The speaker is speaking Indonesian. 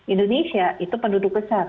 indonesia itu penduduk besar